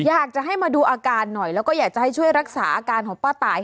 อยากจะให้มาดูอาการหน่อยแล้วก็อยากจะให้ช่วยรักษาอาการของป้าตาย